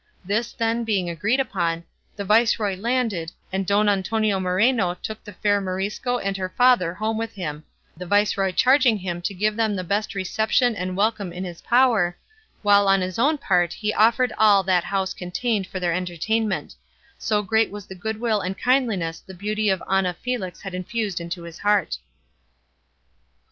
This, then, being agreed upon, the viceroy landed, and Don Antonio Moreno took the fair Morisco and her father home with him, the viceroy charging him to give them the best reception and welcome in his power, while on his own part he offered all that house contained for their entertainment; so great was the good will and kindliness the beauty of Ana Felix had infused into his heart.